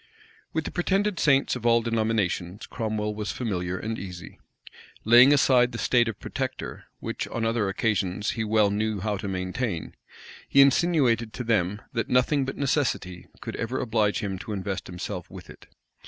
With the pretended saints of all denominations Cromwell was familiar and easy. Laying aside the state of protector, which on other occasions he well knew how to maintain, he insinuated to them, that nothing but necessity could ever oblige him to invest himself with it.